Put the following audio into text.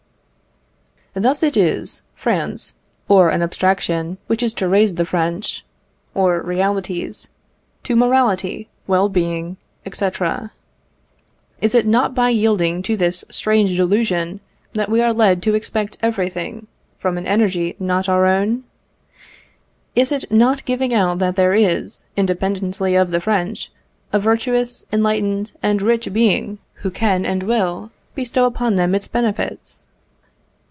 Thus it is France, or an abstraction, which is to raise the French, or realities, to morality, well being, &c. Is it not by yielding to this strange delusion that we are led to expect everything from an energy not our own? Is it not giving out that there is, independently of the French, a virtuous, enlightened, and rich being, who can and will bestow upon them its benefits?